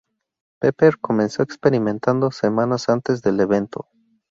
Pepper comenzó experimentando semanas antes del evento.